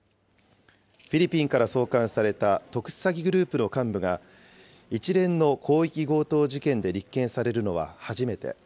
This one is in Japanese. フィリピンから送還された特殊詐欺グループの幹部が、一連の広域強盗事件で立件されるのは初めて。